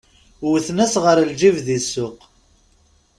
Wwten-as ɣer lǧib di ssuq.